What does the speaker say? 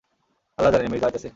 আল্লাহ জানেন, মির্জা আইতাসে।